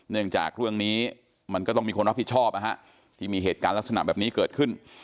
จากเรื่องนี้มันก็ต้องมีคนรับผิดชอบนะฮะที่มีเหตุการณ์ลักษณะแบบนี้เกิดขึ้น